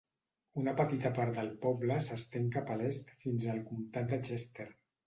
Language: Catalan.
Una petita part del poble s'estén cap a l'est fins al comtat de Chester.